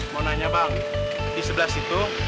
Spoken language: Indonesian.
mau nanya bang di sebelah situ